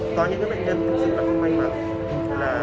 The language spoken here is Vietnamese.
có những bệnh nhân không may mắn